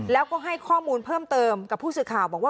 แล้วก็ให้ข้อมูลเพิ่มเติมกับผู้สื่อข่าวบอกว่า